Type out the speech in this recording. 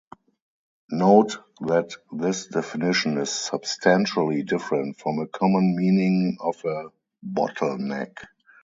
Note that this definition is substantially different from a common meaning of a "bottleneck".